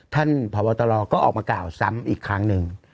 ท่านพบตรก็ออกมากล่าวซ้ำอีกครั้งหนึ่ง